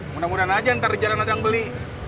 mudah mudahan aja ntar jarang ada yang beli